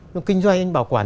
nhưng kinh doanh bảo quản